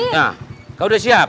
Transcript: nah kau udah siap